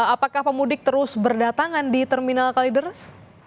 apakah pemudik terus berdatangan di terminal kalideres